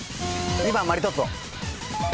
２番マリトッツォ。